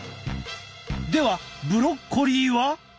ではブロッコリーは。